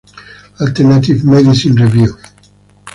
Alternative Medicine Review.